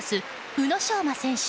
宇野昌磨選手